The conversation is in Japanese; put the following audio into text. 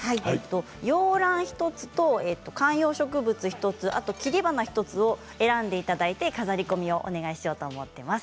洋ラン１つと、観葉植物１つあと切り花１つを選んでいただいて飾り込みをお願いしようと思っています。